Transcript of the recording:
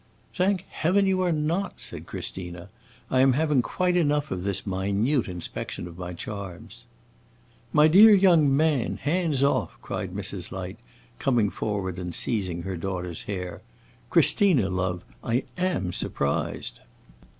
"Thank Heaven you are not!" said Christina. "I am having quite enough of this minute inspection of my charms." "My dear young man, hands off!" cried Mrs. Light, coming forward and seizing her daughter's hair. "Christina, love, I am surprised."